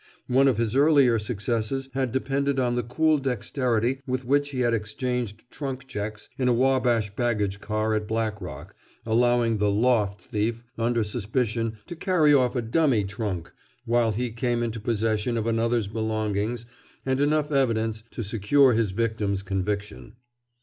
One of his earlier successes had depended on the cool dexterity with which he had exchanged trunk checks in a Wabash baggage car at Black Rock, allowing the "loft" thief under suspicion to carry off a dummy trunk, while he came into possession of another's belongings and enough evidence to secure his victim's conviction.